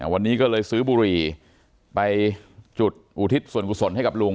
วันนี้ก็เลยซื้อบุหรี่ไปจุดอุทิศส่วนกุศลให้กับลุง